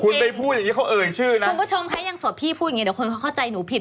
คุณผู้ชมใครสอบพี่พูดแบบนี้เดี๋ยวคนเข้าใจหนูผิด